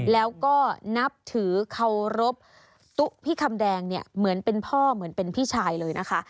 แล้วก็นับถือเคารพตุ๊พี่คำแดงเนี่ยเหมือนเป็นพ่อเหมือนเป็นพี่ชายเลยนะคะ